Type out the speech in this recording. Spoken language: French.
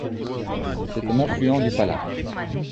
C'est un affluent du Palas.